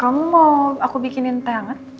kamu mau aku bikinin teh hangat